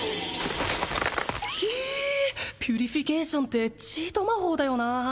ひえピュリフィケイションってチート魔法だよな